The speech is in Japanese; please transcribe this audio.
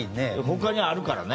他にあるからね。